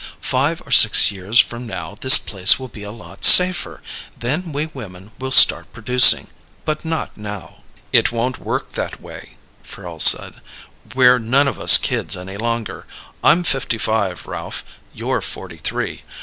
Five or six years from now this place will be a lot safer. Then we women will start producing. But not now." "It won't work that way," Farrel said. "We're none of us kids any longer. I'm fifty five. Ralph, you're forty three.